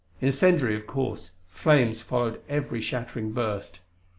Incendiary, of course: flames followed every shattering burst.